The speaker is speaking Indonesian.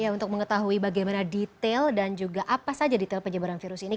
untuk mengetahui bagaimana detail dan juga apa saja detail penyebaran virus ini